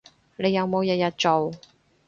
你有冇日日做